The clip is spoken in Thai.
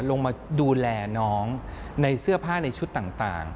ลงมาดูแลน้องในเสื้อผ้าในชุดต่าง